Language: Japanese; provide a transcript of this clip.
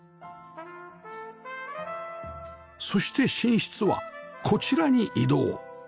そして寝室はこちらに移動